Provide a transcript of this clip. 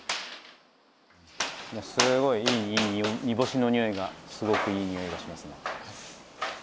すごいいい煮干しの匂いがすごくいい匂いがしますね。